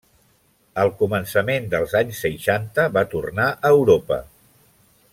Al començament dels anys seixanta va tornar a Europa.